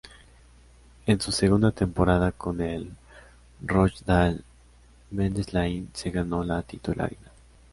En su segunda temporada con el Rochdale, Mendez-Laing se ganó la titularidad.